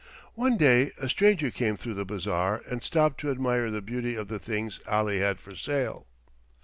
One day a stranger came through the bazaar and stopped to admire the beauty of the things Ali had for sale.